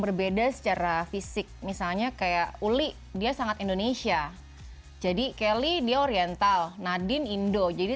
berbeda secara fisik misalnya kayak uli dia sangat indonesia jadi kelly dia oriental nadine indo jadi